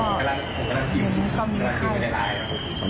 ผมก็มีแข้ว